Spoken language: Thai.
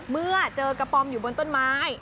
เมื่อเจอกระป๋อมอยู่บนต้นไม้